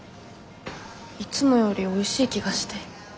いつもよりおいしい気がして。